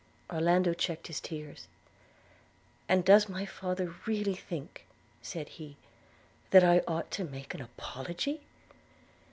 Orlando checked his tears: 'And does my father really think,' said he, 'that I ought to make an apology?'